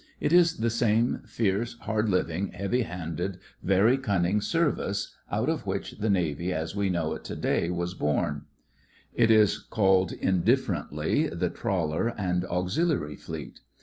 It is the same fierce, hard living, heavy handed, very cunning service out of which the Navy as we know it to day was born. It is called indifferently the Trawler and Auxiliary Fleet.